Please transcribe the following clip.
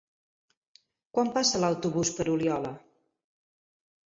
Quan passa l'autobús per Oliola?